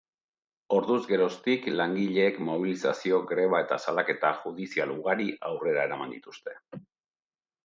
Orduz geroztik langileek mobilizazio, greba eta salaketa judizial ugari aurrera eraman dituzte.